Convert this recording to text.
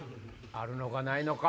あるのかないのか。